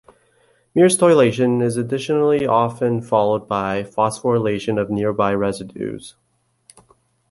Myristoylation is additionally often followed by phosphorylation of nearby residues.